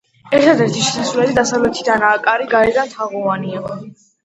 ერთადერთი შესასვლელი დასავლეთიდანაა, კარი გარედან თაღოვანია.